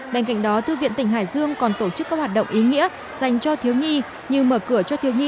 bên cạnh đó thư viện tỉnh hải dương còn tổ chức các hoạt động ý nghĩa dành cho thiếu nghi